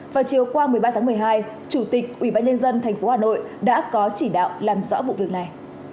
vào chiều qua một mươi ba tháng một mươi hai chủ tịch ubnd tp hà nội đã có chỉ đạo làm rõ vụ việc này